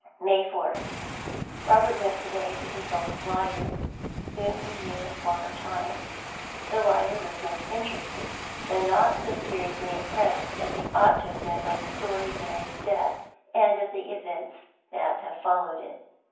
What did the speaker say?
May 4th. Robert went to day to consult a lawyer whom he knew in former times. The lawyer was much interested, though not so seriously impressed as he ought to have been by the story of Mary's death and of the events that have followed it.